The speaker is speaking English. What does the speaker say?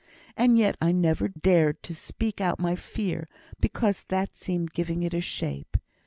And yet I never dared to speak out my fear, because that seemed giving it a shape.